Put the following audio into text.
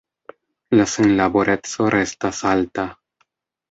La senlaboreco restas alta.